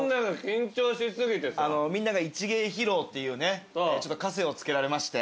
みんなが一芸披露っていうかせをつけられまして。